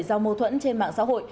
giao mâu thuẫn trên mạng xã hội